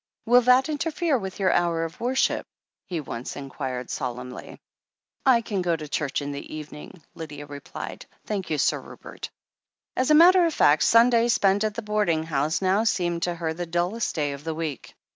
"Will that interfere with your hour of worship ?" he once inquired solemnly. "I can go to church in the evening/' Lydia replied, "thank you, Sir Rupert." As a matter of fact, Sunday, spent at the boarding house, now seemed to her the dullest day of the week.